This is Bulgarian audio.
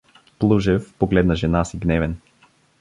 Плужев погледна жена си гневен.